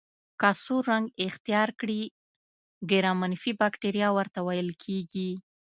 که سور رنګ اختیار کړي ګرام منفي بکټریا ورته ویل کیږي.